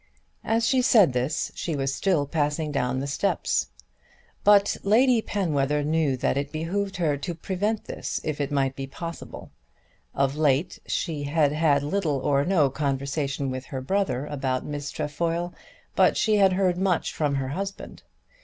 As she said this she was still passing down the steps. But Lady Penwether knew that it behoved her to prevent this if it might be possible. Of late she had had little or no conversation with her brother about Miss Trefoil, but she had heard much from her husband.